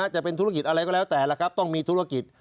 จะเป็นธุรกิจอะไรก็แล้วแต่ละครับต้องมีธุรกิจ